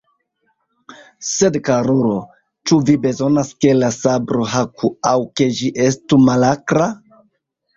Sed, karulo, ĉu vi bezonas, ke la sabro haku, aŭ ke ĝi estu malakra?